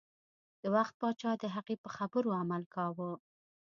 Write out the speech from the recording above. د وخت پاچا د هغې په خبرو عمل کاوه.